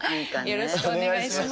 よろしくお願いします。